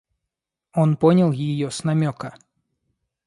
Он понял ее с намека.